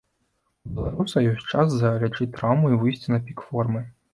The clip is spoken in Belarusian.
У беларуса ёсць час залячыць траўму і выйсці на пік формы.